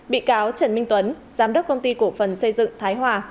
bị cáo trần minh tuấn giám đốc công ty cổ phần xây dựng thái hòa